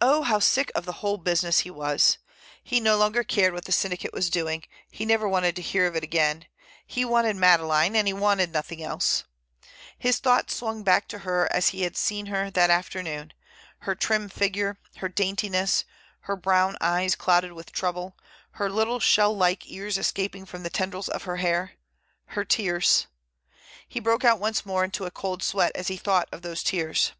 Oh! how sick of the whole business he was! He no longer cared what the syndicate was doing. He never wanted to hear of it again. He wanted Madeleine, and he wanted nothing else. His thoughts swung back to her as he had seen her that afternoon; her trim figure, her daintiness, her brown eyes clouded with trouble, her little shell like ears escaping from the tendrils of her hair, her tears.... He broke out once more into a cold sweat as he thought of those tears.